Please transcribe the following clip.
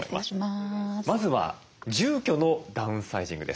まずは住居のダウンサイジングです。